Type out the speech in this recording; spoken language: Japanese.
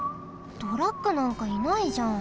トラックなんかいないじゃん。